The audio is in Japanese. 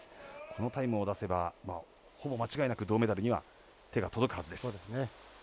このタイムを出せばほぼ間違いなく銅メダルには手が届くはずです。